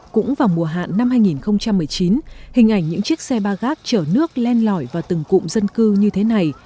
cũng vào mùa hạn năm hai nghìn một mươi chín hình ảnh những chiếc xe ba gác chở nước len lỏi vào từng cụm dân cư như thế này